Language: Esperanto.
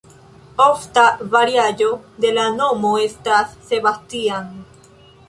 Ofta variaĵo de la nomo estas "Sebastian".